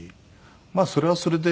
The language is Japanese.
まあそれはそれで。